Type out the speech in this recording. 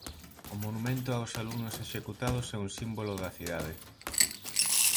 O monumento aos alumnos executados é un símbolo da cidade.